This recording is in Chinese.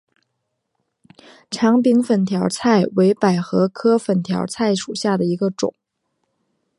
长柄粉条儿菜为百合科粉条儿菜属下的一个种。